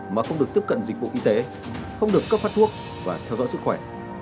mà không được tiếp cận dịch vụ y tế không được cấp phát thuốc và theo dõi sức khỏe